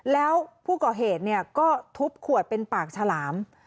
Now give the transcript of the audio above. แล้วผู้ก่อเหตุก็ทุบขวดเป็นปากฉลาม